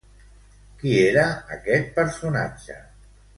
Qui era aquest personatge?